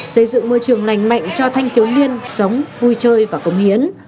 xây dựng môi trường lành mạnh cho thanh thiếu niên sống vui chơi và cống hiến